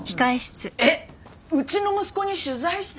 えっうちの息子に取材したい！？